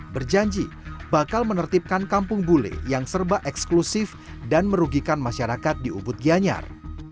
berjanji bakal menertibkan kampung bule yang serba eksklusif dan merugikan masyarakat di ubud gianyar